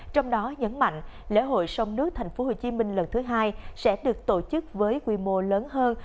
trong đó nhấn mạnh lễ hội sông nước tp hcm lần thứ hai sẽ được tổ chức với quy mô lớn hơn